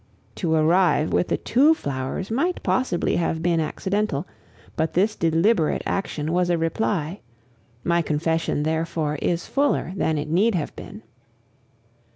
To arrive with the two flowers might possibly have been accidental; but this deliberate action was a reply. My confession, therefore, is fuller than it need have been.